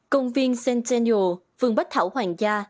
công viên centennial vườn bách thảo hoàng gia